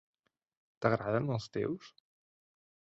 T'agraden els teus??